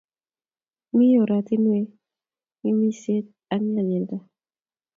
Mi ortinwekwak ng'emisiet ak nyalilda.